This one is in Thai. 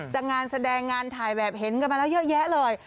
งานแสดงงานถ่ายแบบเห็นกันมาแล้วเยอะแยะเลย